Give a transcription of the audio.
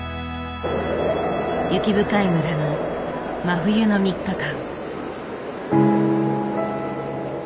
雪深い村の真冬の３日間。